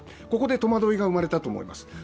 ここで戸惑いが生まれたと思います。